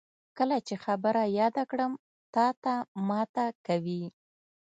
کله چې خبره یاده کړم، تاته ماته کوي.